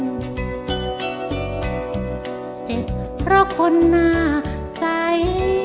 เจ็บเพราะคนหน้าใส